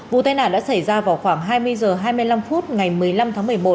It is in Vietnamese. vụ tai nạn đã xảy ra vào khoảng hai mươi h hai mươi năm phút ngày một mươi năm tháng một mươi một